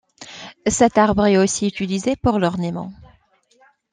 Cet arbre est aussi utilisé pour l'ornement.